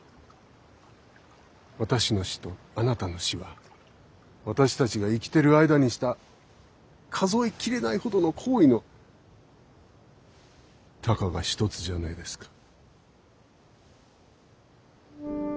私の死とあなたの死は私たちが生きてる間にした数え切れないほどの行為のたかが一つじゃないですか。